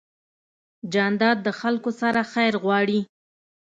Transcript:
جانداد د خلکو سره خیر غواړي.